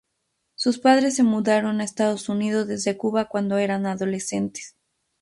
Sus padres se mudaron a Estados Unidos desde Cuba cuando eran adolescentes.